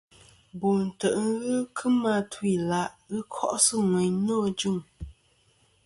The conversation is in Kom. Bo ntè' ghɨ kemɨ atu-ila' ghɨ ko'sɨ ŋweyn nô ajuŋ.